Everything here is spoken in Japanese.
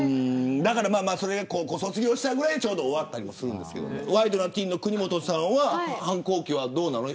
高校卒業したぐらいでちょうど終わったりもするんですけどワイドナティーンの国本さんは反抗期はどうなの。